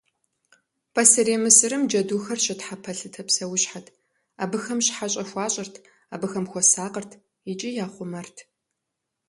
Пасэрей Мысырым джэдухэр щытхьэпэлъытэ псэущхьэт, абыхэм щхьэщэ хуащӏырт, абыхэм хуэсакъырт икӏи яхъумэрт.